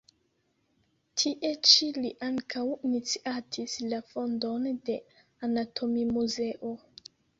Tie ĉi li ankaŭ iniciatis la fondon de anatomimuzeo.